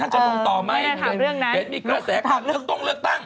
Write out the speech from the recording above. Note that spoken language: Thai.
ท่านจะต้องตอบไหมใครมีเก่าแสต้องเลือกตั้งไม่ได้ถามเรื่องนั้น